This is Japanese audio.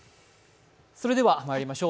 ではまいりましょう。